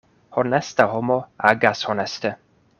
Honesta homo agas honeste.